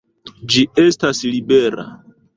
Ĝi estas libera!